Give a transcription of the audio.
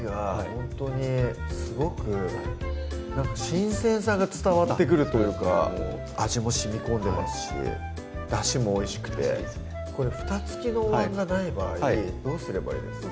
ほんとにすごく新鮮さが伝わってくるというか味もしみこんでますしだしもおいしくてこれふた付きのおわんがない場合どうすればいいですか？